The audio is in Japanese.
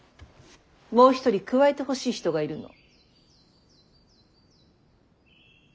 もう一人加えてほしい人がいるの。